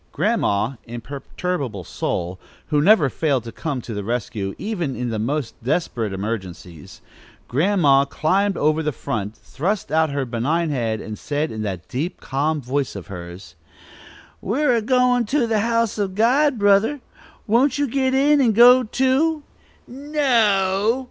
Grandma, imperturbable soul! who never failed to come to the rescue even in the most desperate emergencies Grandma climbed over to the front, thrust out her benign head, and said in that deep, calm voice of hers: "We're a goin' to the house of God, brother; won't you git in and go too?" "No!"